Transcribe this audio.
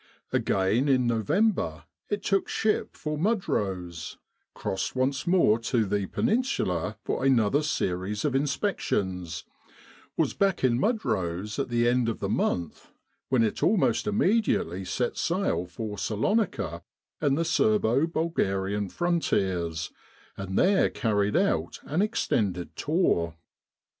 Again, in November, it took ship for Mudros ; crossed once more to the Peninsula for another series of inspections; was back in Mudros at the end of the month, when it almost immediately set sail for Salonika and the Serbo Bulgarian frontiers, and there carried out an extended tour.